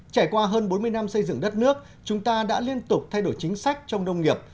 trải qua hơn bốn mươi năm xây dựng đất nước chúng ta đã liên tục thay đổi chính sách trong nông nghiệp